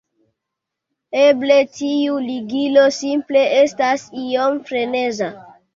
Eble tiu ligilo simple estas iom freneza"